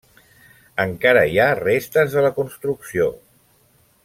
Encara hi ha restes de la construcció.